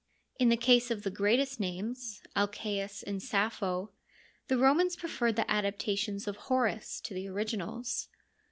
In the case of the greatest names, Alcseus and Sappho, the Romans preferred the adaptations of Horace to the originals.